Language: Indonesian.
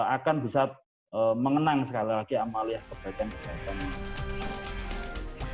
akan bisa mengenang sekali lagi amal yang terbaik yang diperolehkan